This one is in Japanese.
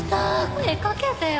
声かけてよ。